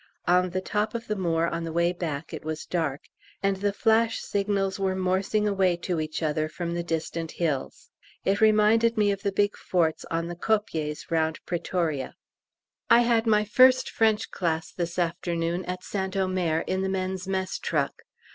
On the top of the moor on the way back it was dark, and the flash signals were morsing away to each other from the different hills. It reminded me of the big forts on the kopjes round Pretoria. I had my first French class this afternoon at St Omer, in the men's mess truck.